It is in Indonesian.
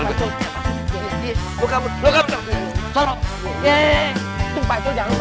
tungpa itu jangan lupa